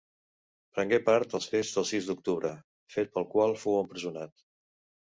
Prengué part als Fets del sis d'octubre, fet pel qual fou empresonat.